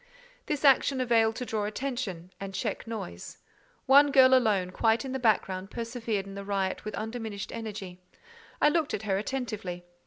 This action availed to draw attention and check noise. One girl alone, quite in the background, persevered in the riot with undiminished energy. I looked at her attentively.